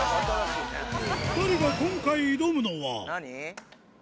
２人が今回挑むのは。